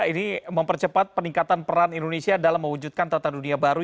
ini mempercepat peningkatan peran indonesia dalam mewujudkan tata dunia baru